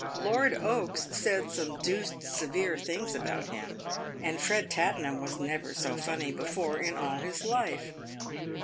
Lord Oaks said some deuced severe things about him, and Ered Tattenham was never so funny before in all his life.